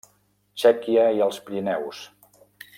Txèquia i els Pirineus.